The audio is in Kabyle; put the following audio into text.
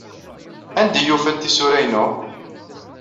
Anda ay ufant tisura-inu?